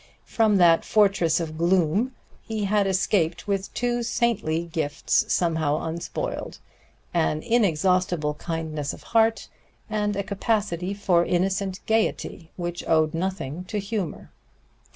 From that fortress of gloom he had escaped with two saintly gifts somehow unspoiled: an inexhaustible kindness of heart and a capacity for innocent gaiety which owed nothing to humor.